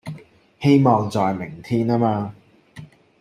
希望在明天啊嘛